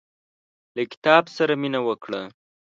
له کتاب سره مينه وکړه.